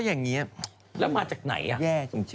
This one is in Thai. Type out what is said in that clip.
แล้วมาจากไหนอะ